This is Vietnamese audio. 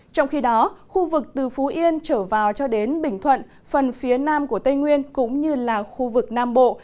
trong khi đó khu vực từ phú yên trở vào cho đến bình thuận phần phía nam của tây nguyên cũng như là khu vực nam bộ